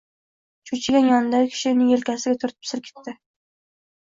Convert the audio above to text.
Cho‘chigan yonidagi kishi uning yelkasidan tutib silkitdi.